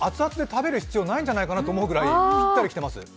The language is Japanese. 食べる必要ないじゃないかなと思うくらいしっかりしています。